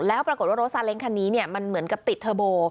แล้วปรากฏว่ารถซาเล้งคันนี้มันเหมือนกับติดเทอร์โบ